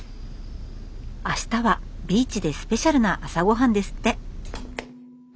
明日はビーチでスペシャルな朝ごはんですって。